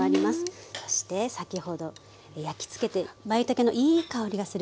そして先ほど焼きつけてまいたけのいい香りがする。